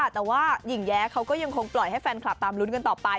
แต่ว่าหญิงแย้เขาก็ยังคงปล่อยให้แฟนคลับตามลุ้นกันต่อไป